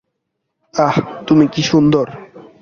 আহ্, তুমি কি সুন্দর।